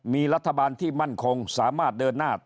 มีรัฐบาลที่มั่นคงสามารถเดินหน้า